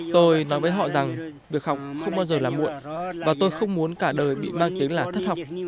tôi nói với họ rằng việc học không bao giờ là muộn và tôi không muốn cả đời bị mang tiếng là thất học